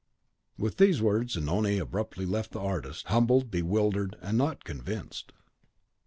With these words Zanoni abruptly left the artist, humbled, bewildered, and not convinced.